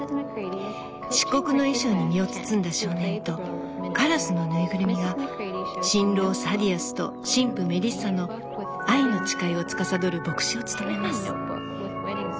漆黒の衣装に身を包んだ少年とカラスの縫いぐるみが新郎サディアスと新婦メリッサの愛の誓いをつかさどる牧師を務めます。